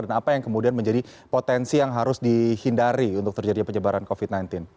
dan apa yang kemudian menjadi potensi yang harus dihindari untuk terjadi penyebaran covid sembilan belas